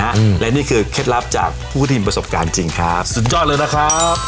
อืมและนี่คือเคล็ดลับจากผู้ที่มีประสบการณ์จริงครับสุดยอดเลยนะครับ